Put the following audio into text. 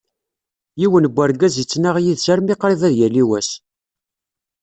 Yiwen n urgaz ittnaɣ yid-s armi qrib ad yali wass.